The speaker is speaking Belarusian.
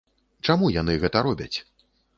Чаму яны гэта робяць?